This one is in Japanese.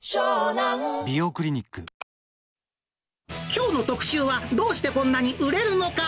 きょうの特集は、どうしてこんなに売れるのか！